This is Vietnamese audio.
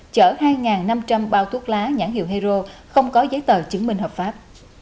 chở hai năm trăm linh bao thuốc lá nhãn hiệu hero không có giấy tờ chứng minh hợp pháp